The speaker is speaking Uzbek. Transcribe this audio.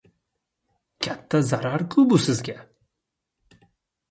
Katta zarar-ku bu sizga!